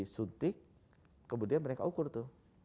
suntik kemudian mereka ukur tuh